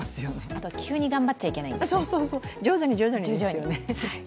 あと、急に頑張っちゃいけないですね。